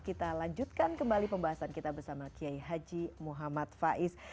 kita lanjutkan kembali pembahasan kita bersama kiai haji muhammad faiz